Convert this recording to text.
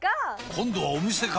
今度はお店か！